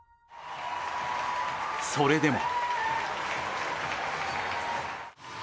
それでも。